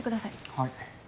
はい。